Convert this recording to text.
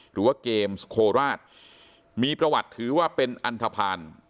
หรือว่าเกมส์โคราชมีประวัติถือว่าเป็นอันทภาณ